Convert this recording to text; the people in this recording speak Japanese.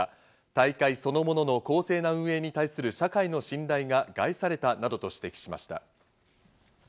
大会そのものの公正な運営に対する社会の信頼が害されたなどと指摘しました。